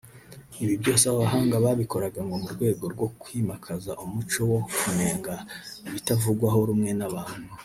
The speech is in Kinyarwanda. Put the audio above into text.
Ibi byose aba bahanga babikoraga ngo mu rwego rwo kwimakaza umuco wo kunenga ibitavugwaho rumwe n’abantu